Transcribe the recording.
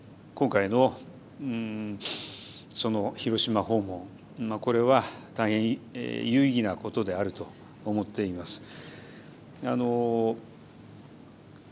今回の広島訪問、これは、大変有意義なことであると思っています。